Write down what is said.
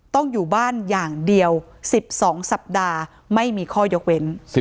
ต้องอยู่บ้านอย่างเดียว๑๒สัปดาห์ไม่มีข้อยกเว้น